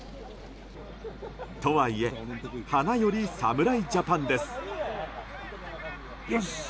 とはいえ花より侍ジャパンです。